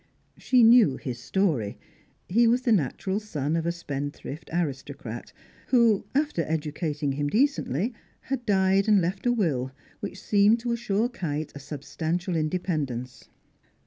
She knew his story. He was the natural son of a spendthrift aristocrat, who, after educating him decently had died and left a will which seemed to assure Kite a substantial independence.